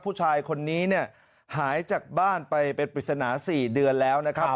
ผู้ชายคนนี้เนี่ยหายจากบ้านไปเป็นปริศนา๔เดือนแล้วนะครับ